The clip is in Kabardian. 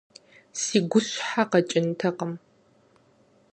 Си гущхьэ къэкӀынтэкъым!